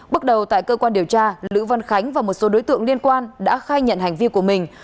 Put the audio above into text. bước đầu tại cơ quan điều tra lữ văn khánh và một số đối tượng liên quan đã khai nhận hành vi của mình